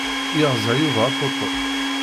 Yeɣza Yuba aṭuṭuc.